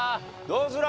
どうする？